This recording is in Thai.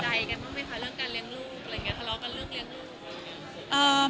ไม่ทะเลาะกันเรื่องเรียนรูป